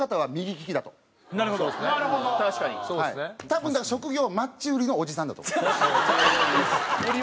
多分だから職業はマッチ売りのおじさんだと思う。